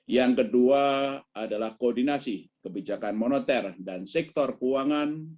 yang kedua adalah koordinasi kebijakan moneter dan sektor keuangan